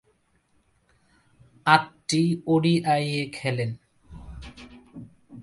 আটটি ওডিআইয়ে খেলেন।